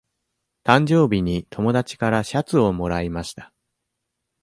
誕生日に友達からシャツをもらいました。